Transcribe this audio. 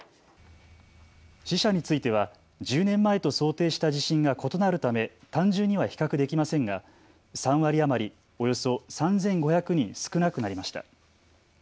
死者については１０年前と想定した地震が異なるため単純には比較できませんが３割余りおよそ３５００人少なくなりました。